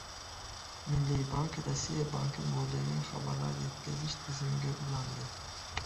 Milliy bank Rossiya banki moliyaviy xabarlar yetkazish tizimiga ulanadi